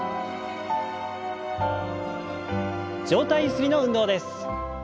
上体ゆすりの運動です。